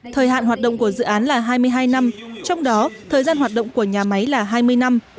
thời hạn hoạt động của dự án là hai mươi hai năm trong đó thời gian hoạt động của nhà máy là hai mươi năm